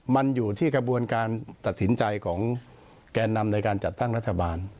มันอยู่ที่กระบวนการตัดสินใจของแกนนำในการจัดตั้งรัฐบาล